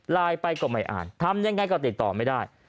ไลน์ไปก็ไม่อ่านทำยังไงก็ติดต่อไม่ได้